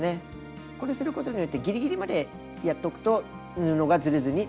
これすることによってぎりぎりまでやっておくと布がずれずにすみますね。